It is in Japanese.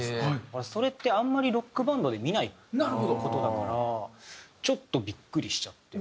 それってあんまりロックバンドで見ない事だからちょっとビックリしちゃって。